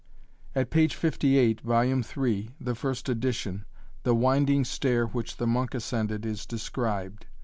At page 58, vol. iii., the first edition, the 'winding stair' which the monk ascended is described.